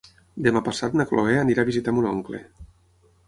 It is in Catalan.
Demà passat na Chloé anirà a visitar mon oncle.